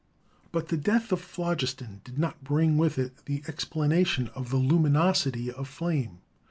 But the death of phlogiston did not bring with it the ex planation of the luminosity of flame.